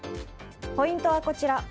ポイントはこちら。